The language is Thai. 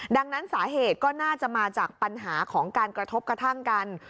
ดังนั้นสาเหตุก็น่าจะมาจากปัญหาของการกระทบกระทั่งกัน